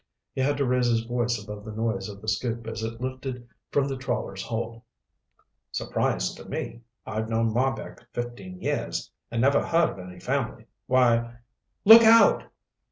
He had to raise his voice above the noise of the scoop as it lifted from the trawler's hold. "Surprise to me. I've known Marbek fifteen years and never heard of any family. Why " "Look out!"